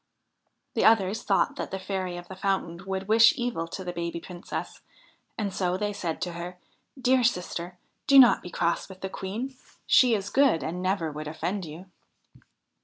The others thought that the Fairy of the Fountain would wish evil to the baby Princess, so they said to her :' Dear sister, do not be cross with the Queen ; she is good and never would offend you.'